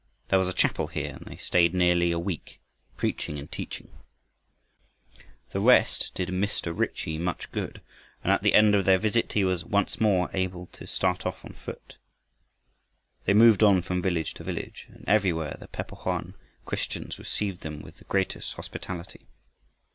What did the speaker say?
There was a chapel here, and they stayed nearly a week, preaching and teaching. The rest did Mr. Ritchie much good, and at the end of their visit he was once more able to start off on foot. They moved on from village to village and everywhere the Pe po hoan Christians received them with the greatest hospitality.